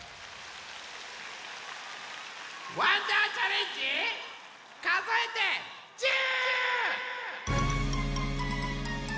「わんだーチャレンジかぞえて１０」！